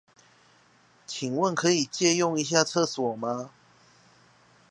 請問可以借用一下廁所嗎？